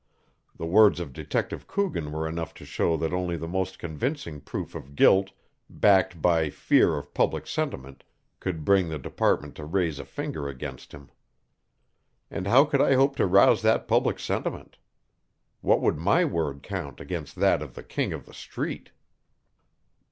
The words of Detective Coogan were enough to show that only the most convincing proof of guilt, backed by fear of public sentiment, could bring the department to raise a finger against him. And how could I hope to rouse that public sentiment? What would my word count against that of the King of the Street?